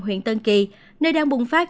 huyện tân kỳ nơi đang bùng phát